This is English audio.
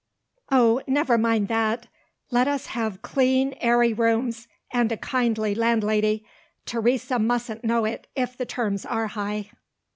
"Oh, never mind that! Let us have clean airy rooms and a kind landlady. Teresa mustn't know it, if the terms are high."